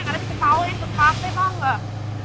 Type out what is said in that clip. gak ada si kepaul yang kepape tau gak